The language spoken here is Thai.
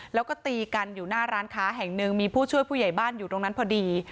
แล้วก็ตีกันอยู่หน้าร้านค้าแห่งหนึ่งมีผู้ช่วยผู้ใหญ่บ้านอยู่ตรงนั้นพอดี